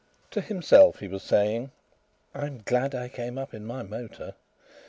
To himself he was saying: "I'm glad I came up in my motor."